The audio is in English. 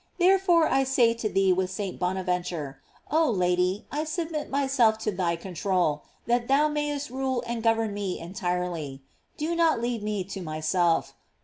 Therefore I say to thee with St. Bonaventure, Oh, Lady, I submit myself to thy control, that thou mayest rule and govern me entirely. Do not leave me to myself.